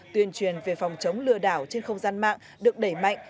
tuyên truyền về phòng chống lừa đảo trên không gian mạng được đẩy mạnh